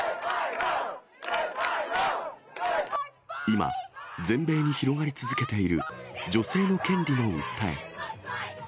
今、全米に広がり続けている女性の権利の訴え。